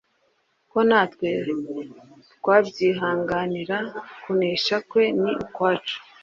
ko natwe twabyihanganira. Kunesha kwe ni ukwacu.